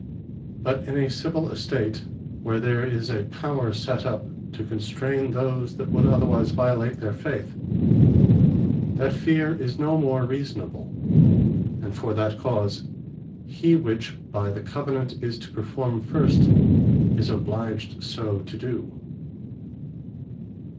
But in a civill estate, where there is a Power set up to constrain those that would otherwise violate their faith, that feare is no more reasonable; and for that cause, he which by the Covenant is to perform first, is obliged so to do.